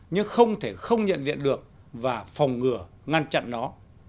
nhưng không thể không nhận diện được và phòng ngừa ngăn chặn nó